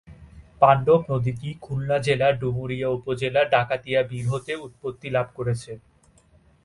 পাণ্ডব নদীটি খুলনা জেলার ডুমুরিয়া উপজেলার ডাকাতিয়া বিল হতে উৎপত্তি লাভ করেছে।